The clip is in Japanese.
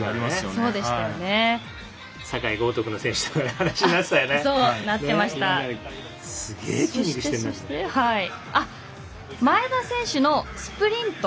そして、前田選手のスプリント。